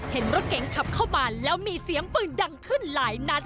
เห็นรถเก๋งขับเข้ามาแล้วมีเสียงปืนดังขึ้นหลายนัด